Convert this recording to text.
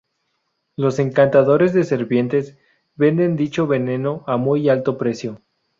Los encantadores de serpientes venden dicho veneno a muy alto precio.